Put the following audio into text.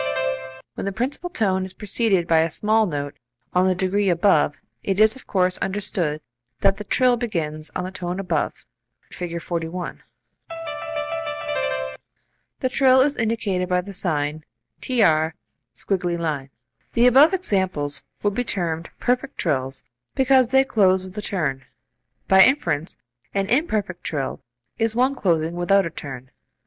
When the principal note is preceded by a small note on the degree above, it is of course understood that the trill begins on the tone above. Fig. 41. The trill is indicated by the sign [trill symbol]. [Illustration: Fig. 40.] [Illustration: Fig. 41.] The above examples would be termed perfect trills because they close with a turn. By inference, an imperfect trill is one closing without a turn.